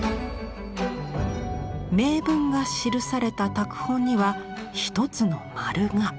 銘文が記された拓本には一つのまるが。